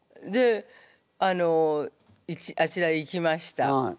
あのあちらへ行きました。